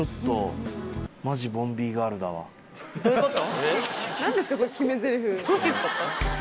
どういうこと？